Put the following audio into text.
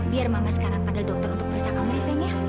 biar mama sekarang panggil dokter untuk persahkanmu ya sayang ya